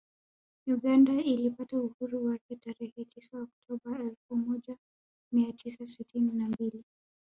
Uganda ilipata uhuru wake tarehe tisa Oktoba elfu moja mia tisa sitini na mbili